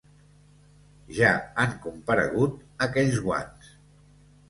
Ja han comparegut aquells guants.